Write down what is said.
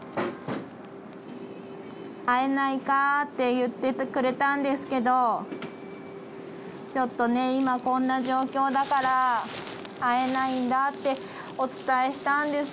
会えないか？って言ってくれたんですけど、ちょっとね、今、こんな状況だから、会えないんだって、お伝えしたんです。